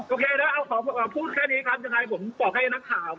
โอเคนะพูดแค่นี้ครับจงกลายผมบอกให้นักข่าว